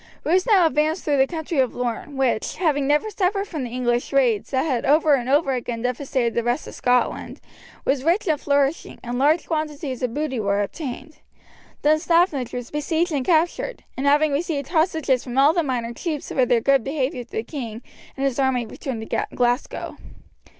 Bruce now advanced through the country of Lorne, which, having never suffered from the English raids that had over and over again devastated the rest of Scotland, was rich and flourishing, and large quantities of booty were obtained. Dunstaffnage was besieged and captured, and having received hostages from all the minor chiefs for their good behaviour the king and his army returned to Glasgow.